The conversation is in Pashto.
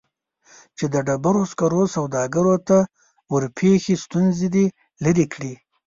چې د ډبرو سکرو سوداګرو ته ورپېښې ستونزې دې لیرې کړي